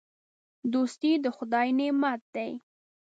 دوستي د خدای نعمت دی.